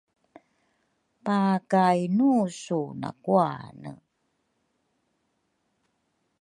pakainusu nakuane.